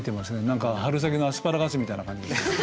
何か春先のアスパラガスみたいな感じで。